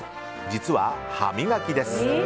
実は歯磨きです。